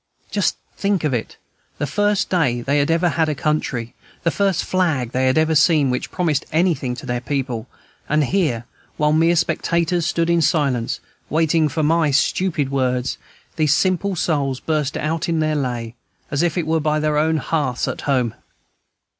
Just think of it! the first day they had ever had a country, the first flag they had ever seen which promised anything to their people, and here, while mere spectators stood in silence, waiting for my stupid words, these simple souls burst out in their lay, as if they were by their own hearths at home!